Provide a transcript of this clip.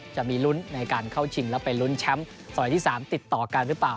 จะมีลุ้นในการเข้าชิงแล้วไปลุ้นแชมป์สมัยที่๓ติดต่อกันหรือเปล่า